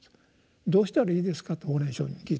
「どうしたらいいですか？」と法然上人に聞いたと。